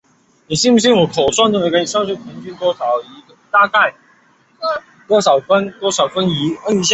管道中最高温度可达。